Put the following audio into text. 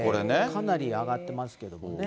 かなり上がってますけどね。